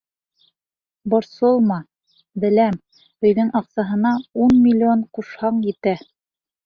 Борсолма, беләм, өйҙөң аҡсаһына ун миллион ҡушһаң, етә.